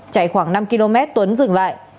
chạy khoảng năm km tuấn dừng lại